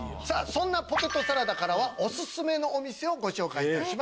そんなポテトサラダからはおすすめのお店をご紹介します。